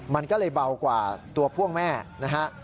มันก็เลยเบากว่าตัวพ่วงแม่นะฮะ